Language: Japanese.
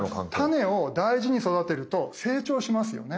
種を大事に育てると成長しますよね。